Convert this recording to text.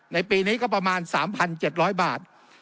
ในปีนี้ก็ประมาณ๓๗๐๐บาท